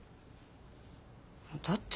だって。